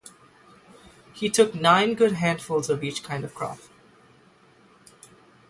He took nine good handfuls of each kind of crop.